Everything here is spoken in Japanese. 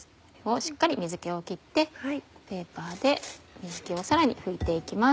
しっかり水気を切ってペーパーで水気をさらに拭いて行きます。